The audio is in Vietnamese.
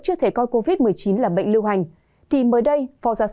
hậu giang năm mươi sáu